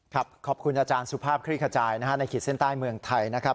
ขอบคุณอาจารย์สุภาพคลี่ขจายนะฮะในขีดเส้นใต้เมืองไทยนะครับ